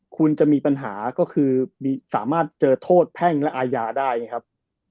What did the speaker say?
คุณจะมีปัญหาก็คือสามารถเจอโทษแพ่งและอาญาได้ไงครับ